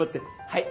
はい。